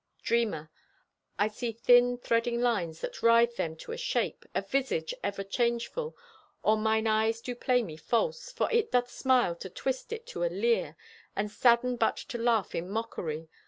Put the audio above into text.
Dreamer: I see thin, threading lines that writhe them To a shape—a visage ever changeful, Or mine eyes do play me false, For it doth smile to twist it to a leer, And sadden but to laugh in mockery.